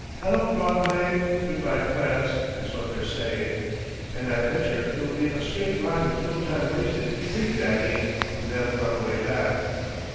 'Hello, Broadway! Good by, France!' is what they're saying. And I betcher it'll be a straight line with no time wasted zigzagging for them on the way back!"